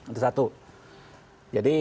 itu satu jadi